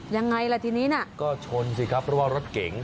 ยังไงล่ะทีนี้น่ะก็ชนสิครับเพราะว่ารถเก๋ง